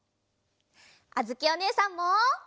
あづきおねえさんも！